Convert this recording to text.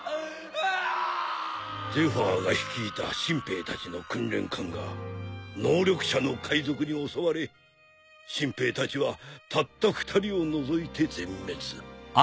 ゼファーが率いた新兵たちの訓練艦が能力者の海賊に襲われ新兵たちはたった２人を除いて全滅。